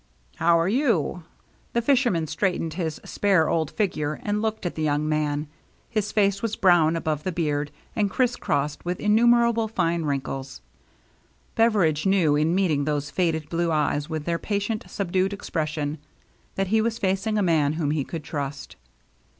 "How are you ?" The fisherman straight ened his spare old figure and looked at the young man. His face was brown above the beard, and crisscrossed with innumerable fine wrinkles. Beveridge knew, in meeting those faded blue eyes with their patient, subdued expression, that he was facing a man whom he could trust.